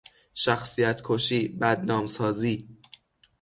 شخصیت کشی، بدنام سازی